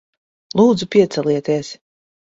Lūdzu, piecelieties.